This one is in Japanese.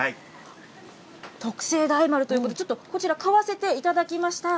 特製大丸ということで、ちょっとこちら、買わせていただきました。